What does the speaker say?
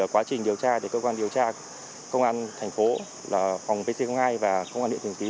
quá trình điều tra thì cơ quan điều tra công an thành phố là phòng pc hai và công an địa thường ký